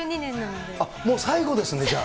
もう最後ですね、じゃあ。